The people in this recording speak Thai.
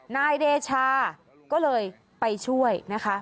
นายเดชาก็เลยไปช่วยนะคะ